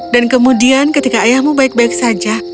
dan kemudian ketika ayahmu baik baik saja